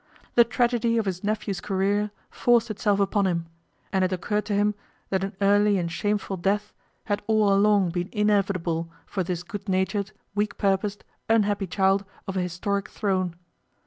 The tragedy of his nephew's career forced itself upon him, and it occurred to him that an early and shameful death had all along been inevitable for this good natured, weak purposed, unhappy child of a historic throne.